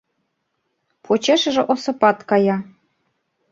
Почешыже Осыпат кая.